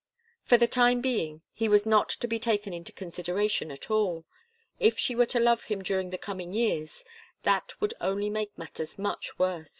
For the time being he was not to be taken into consideration at all. If she were to love him during the coming years, that would only make matters much worse.